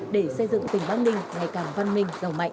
để xây dựng tỉnh bắc ninh ngày càng văn minh giàu mạnh